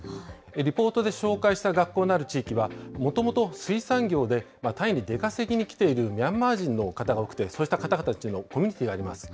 リポートで紹介した学校のある地域は、もともと水産業でタイに出稼ぎに来ているミャンマー人の方が多くて、そうした方々のコミュニティーがあります。